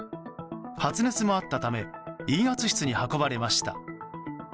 発熱もあったため陰圧室に運ばれました。